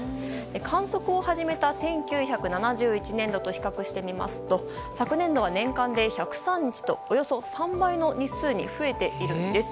観測を始めた１９７１年度と比較してみますと昨年度は年間で１０３日とおよそ３倍の日数に増えているんです。